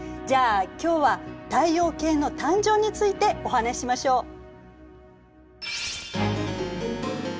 じゃあ今日は太陽系の誕生についてお話ししましょう。